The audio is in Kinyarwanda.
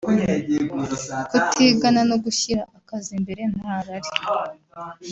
kutigana no gushyira akazi imbere nta rari